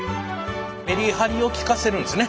メリハリを効かせるんですね。